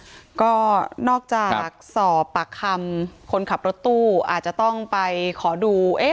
แล้วก็นอกจากสอบปากคำคนขับรถตู้อาจจะต้องไปขอดูเอ๊ะ